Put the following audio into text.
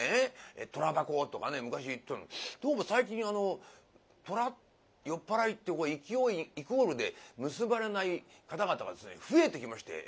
「虎箱」とかね昔言ってたのにどうも最近あの虎酔っ払いってイコールで結ばれない方々がですね増えてきまして。